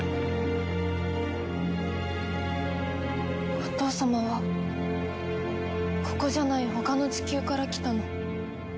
お父様はここじゃない他の地球から来たの？